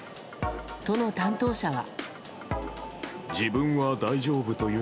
都の担当者は。